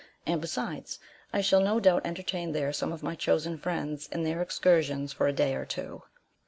And besides, I shall no doubt entertain there some of my chosen friends, in their excursions for a day or two."